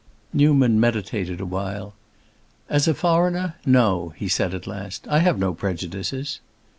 Newman meditated a while. "As a foreigner, no," he said at last; "I have no prejudices."